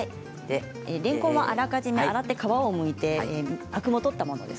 れんこんはあらかじめ洗って皮をむいてアクを取ったものです。